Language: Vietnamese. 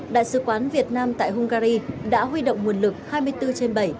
đại sứ quán việt nam tại hungary đã huy động nguồn lực hai mươi bốn trên bảy